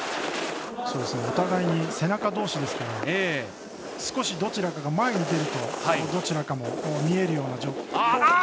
お互いに背中どうしですから少しどちらかが前に出るとどちらかも見えるような。